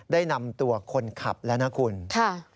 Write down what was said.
ได้นำตัวคนขับแล้วนะคุณค่ะ